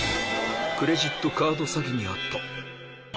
クレジットカード詐欺に遭った。